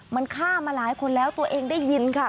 มันฆ่ามาหลายคนแล้วตัวเองได้ยินค่ะ